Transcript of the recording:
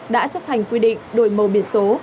đã chấp hành quy định đổi màu biển số